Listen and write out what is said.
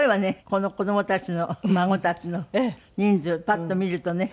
この子供たちの孫たちの人数をパッと見るとね。